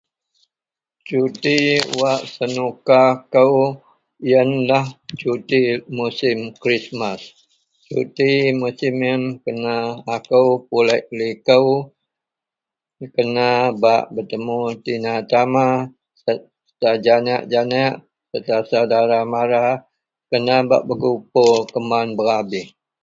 cuti wak senuka kou ienlah cuti musim krismas, cuti musim ien kena akou pulek liko. Kena bak petemu tina tama serta janek janek serta saudara mara kena bak bekumpul keman berabih